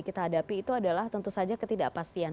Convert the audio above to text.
kita hadapi itu adalah tentu saja ketidakpastian